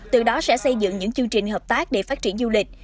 từ đó sẽ xây dựng những chương trình hợp tác để phát triển du lịch